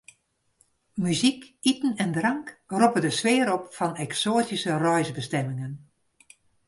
Muzyk, iten en drank roppe de sfear op fan eksoatyske reisbestimmingen.